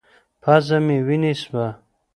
پزه مې وينې سوه.